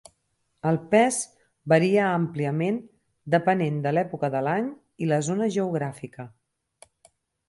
El pes varia àmpliament depenent de l'època de l'any i la zona geogràfica.